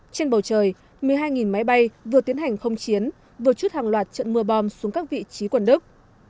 trên bầu trời một mươi hai máy bay vừa tiến hành không chiến vừa chút hàng loạt trận mưa bom xuống các vị trí quần đức